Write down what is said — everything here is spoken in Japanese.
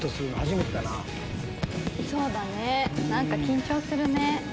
そうだね何か緊張するね。